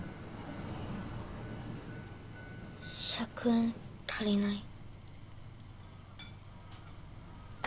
１００円足りない。